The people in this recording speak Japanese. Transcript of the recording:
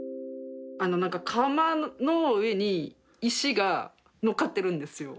なんか釜の上に石がのっかってるんですよ。